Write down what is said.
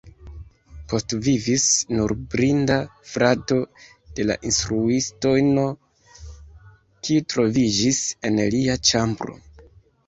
Postvivis nur blinda frato de la instruistino, kiu troviĝis en alia ĉambro.